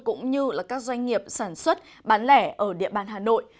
cũng như các doanh nghiệp sản xuất bán lẻ ở địa bàn hà nội